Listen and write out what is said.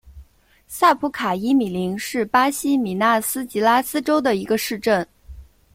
萨普卡伊米林是巴西米纳斯吉拉斯州的一个市镇。